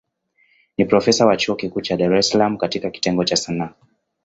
Ni profesa wa chuo kikuu cha Dar es Salaam katika kitengo cha Sanaa.